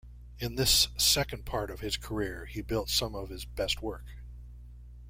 In this second part of his career he built some of his best work.